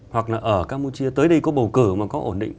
hoặc là ở campuchia tới đây có bầu cử mà có ổn định